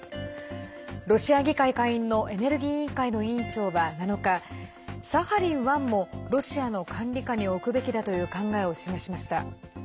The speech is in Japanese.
ロシア議会下院のエネルギー委員会の委員長は７日サハリン１もロシアの管理下に置くべきだという考えを示しました。